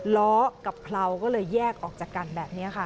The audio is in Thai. ล้อกับเพราก็เลยแยกออกจากกันแบบนี้ค่ะ